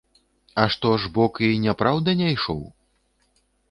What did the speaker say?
А што ж, бок, і няпраўда, не ішоў?